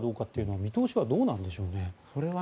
見通しはどうなんでしょうか。